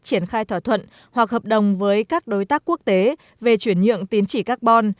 triển khai thỏa thuận hoặc hợp đồng với các đối tác quốc tế về chuyển nhượng tín chỉ carbon